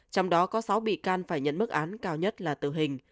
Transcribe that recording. trong đó có sáu bị can phải nhận mức án cao nhất là tử hình